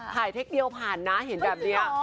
เทคเดียวผ่านนะเห็นแบบนี้